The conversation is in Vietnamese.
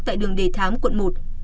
tại đường đề thám quận một